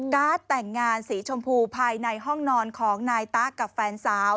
แต่งงานสีชมพูภายในห้องนอนของนายตะกับแฟนสาว